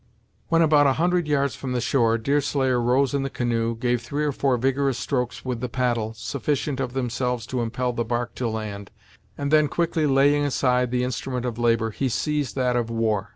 When about a hundred yards from the shore, Deerslayer rose in the canoe, gave three or four vigorous strokes with the paddle, sufficient of themselves to impel the bark to land, and then quickly laying aside the instrument of labor, he seized that of war.